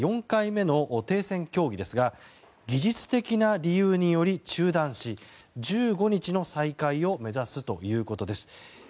４回目の停戦協議ですが技術的な理由により中断し１５日の再開を目指すということです。